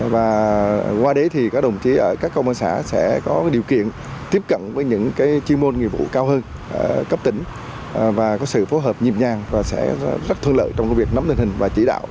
và qua đấy thì các đồng chí ở các công an xã sẽ có điều kiện tiếp cận với những chuyên môn nghiệp vụ cao hơn cấp tỉnh và có sự phối hợp nhịp nhàng và sẽ rất thuận lợi trong việc nắm tình hình và chỉ đạo